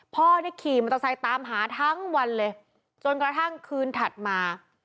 พ่อนี่ขี่มอเตอร์ไซค์ตามหาทั้งวันเลยจนกระทั่งคืนถัดมา